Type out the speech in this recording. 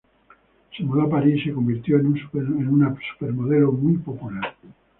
Se mudó a París y se convirtió en una supermodelo muy popular.